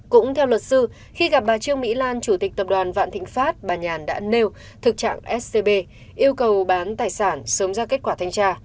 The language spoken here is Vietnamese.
cũng theo luật sư khi gặp bà trương mỹ lan chủ tịch tập đoàn vạn thịnh pháp bà nhàn đã nêu thực trạng scb yêu cầu bán tài sản sớm ra kết quả thanh tra